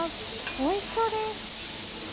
おいしそうです！